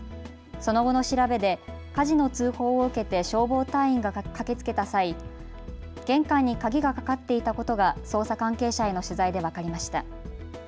その後の調べで火事の通報を受けて消防隊員が駆けつけた際、玄関に鍵がかかっていたことが捜査関係者への取材で分かりました。